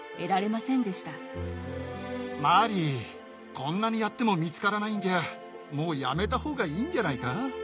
こんなにやっても見つからないんじゃもうやめた方がいいんじゃないか？